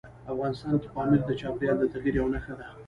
افغانستان کې پامیر د چاپېریال د تغیر یوه نښه ده.